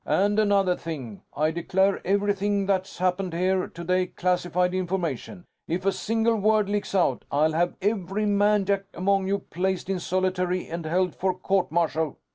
And another thing I declare everything that's happened here today classified information. If a single word leaks out, I'll have every man jack among you placed in solitary and held for court martial."